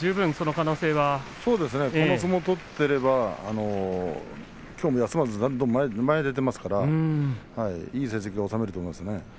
この相撲を取っていれば休まず、前へ前へ出てますからいい成績を収めると思いますね。